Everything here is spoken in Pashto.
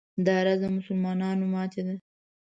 دا راز د مسلمانانو ماتې ده.